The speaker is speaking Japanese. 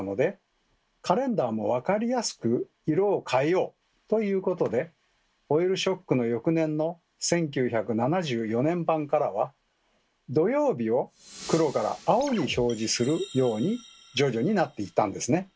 まあそんなこんなでということでオイルショックの翌年の１９７４年版からは土曜日を黒から青に表示するように徐々になっていったんですね。